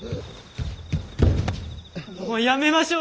もうやめましょう！